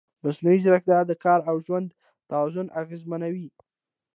مصنوعي ځیرکتیا د کار او ژوند توازن اغېزمنوي.